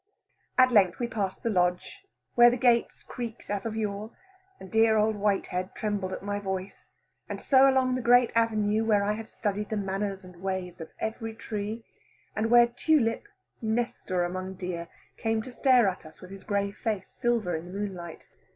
At length we passed the lodge, where the gates creaked as of yore, and dear old Whitehead trembled at my voice, and so along the great avenue where I had studied the manners and ways of every tree, and where Tulip (Nestor among deer) came to stare at us with his grey face silver in the moonlight.